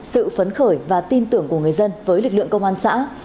sự phấn khởi và tin tưởng của người dân với lực lượng công an xã